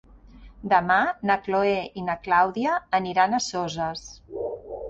Demà na Chloé i na Clàudia aniran a Soses.